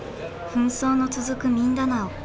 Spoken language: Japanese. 紛争の続くミンダナオ。